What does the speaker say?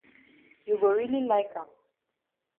You go really like am